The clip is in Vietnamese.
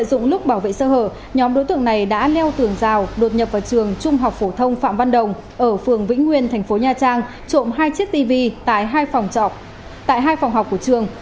dùng lúc bảo vệ sơ hở nhóm đối tượng này đã leo tường rào đột nhập vào trường trung học phổ thông phạm văn đồng ở phường vĩnh nguyên tp nha trang trộm hai chiếc tv tại hai phòng trọc tại hai phòng học của trường